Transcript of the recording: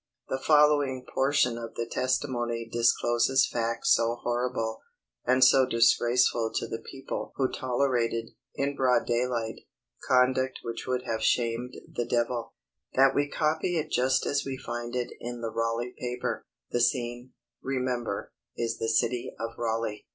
The following portion of the testimony discloses facts so horrible, and so disgraceful to the people who tolerated, in broad daylight, conduct which would have shamed the devil, that we copy it just as we find it in the Raleigh paper. The scene, remember, is the city of Raleigh.